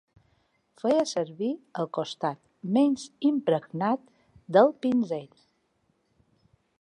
Feia servir el costat menys impregnat del pinzell.